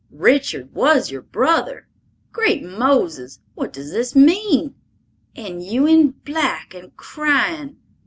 "Richard was your brother! Great Moses! What does this mean? And you in black and crying!"